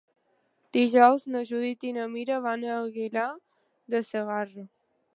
Dijous na Judit i na Mira van a Aguilar de Segarra.